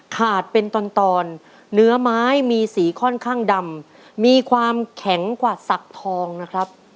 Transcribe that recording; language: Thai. ขาดเป็นตอนตอนเนื้อไม้มีสีค่อนข้างดำมีความแข็งกว่าสักทองนะครับ